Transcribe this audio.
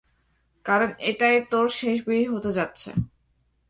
কারণ এটাই তোর শেষ বিড়ি হতে যাচ্ছে।